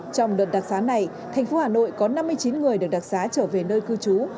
trong đợt đặc xá này thành phố hà nội có năm mươi chín người được đặc xá trở về nơi cư trú